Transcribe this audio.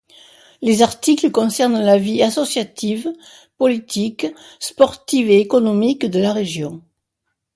Les articles concernent la vie associative, politique, sportive et économique de la région.